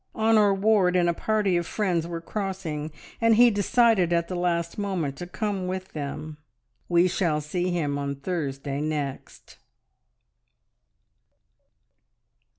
Honor Ward and a party of friends were crossing, and he decided at the last moment to come with them. We shall see him on Thursday next."